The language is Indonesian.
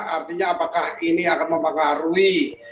artinya apakah ini akan mempengaruhi